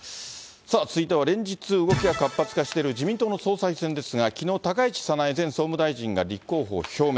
続いては連日動きが活発化している自民党の総裁選ですが、きのう高市早苗前総務大臣が立候補を表明。